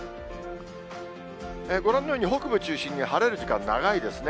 ご覧のように北部中心に晴れる時間長いですね。